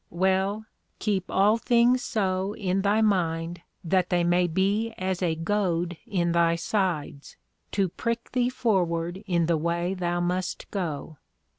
Well, keep all things so in thy mind that they may be as a Goad in thy sides, to prick thee forward in the way thou must go.